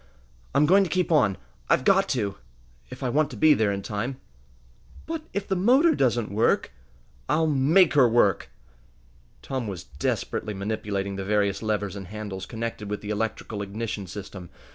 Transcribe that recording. I'm going to keep on. I've got to if I want to be there in time!" "But if the motor doesn't work?" "I'll make her work!" Tom was desperately manipulating the various levers and handles connected with the electrical ignition system.